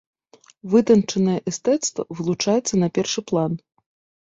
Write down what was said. Вытанчанае эстэцтва вылучаецца на першы план.